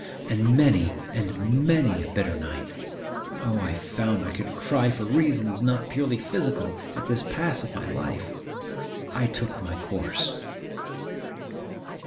And many and many a bitter night (O, I found I could cry for reasons not purely physical, at this pass of my life!) I took my course.